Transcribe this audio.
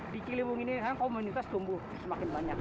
di ciliwung ini kan komunitas tumbuh semakin banyak